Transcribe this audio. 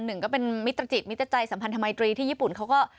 หนึ่งก็เป็นมิตรจิตมิตรใจสัมพันธมัยตรีที่ญี่ปุ่นเขาก็